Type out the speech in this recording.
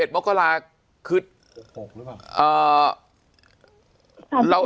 มกราคือ๖๖หรือเปล่า